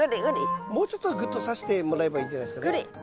もうちょっとぐっとさしてもらえばいいんじゃないですかね。